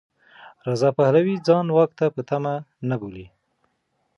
رضا پهلوي ځان واک ته په تمه نه بولي.